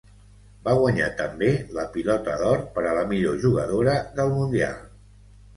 Va guanyar també la Pilota d'Or per a la millor jugadora del Mundial.